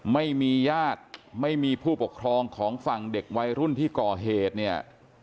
ไม่มีญาติไม่มีผู้ปกครองของฝั่งเด็กวัยรุ่นที่ก่อเหตุเนี่ย